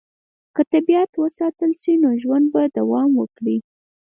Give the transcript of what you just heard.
که طبیعت وساتل شي، نو ژوند به دوام وکړي.